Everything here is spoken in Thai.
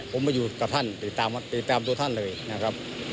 ผมมาอยู่กับท่านติดตามตัวท่านเลยนะครับ